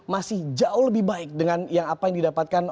masih jauh lebih baik dengan yang apa yang didapatkan